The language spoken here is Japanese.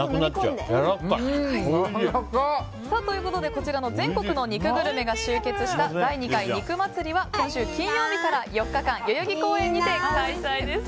こちらの全国の肉グルメが集結した第２回肉祭は、今週金曜日から４日間、代々木公園にて開催です。